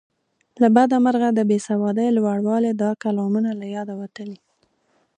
له بده مرغه د بې سوادۍ لوړوالي دا کلامونه له یاده وتلي.